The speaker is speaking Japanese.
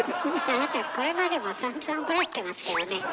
あなたこれまでもさんざん怒られてますけどね。